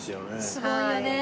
すごいよね。